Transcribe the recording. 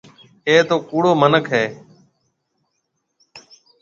اَي تو ڪُوڙو مِنک هيَ۔